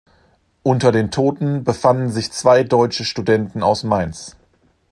Unter den Toten befanden sich zwei deutsche Studenten aus Mainz.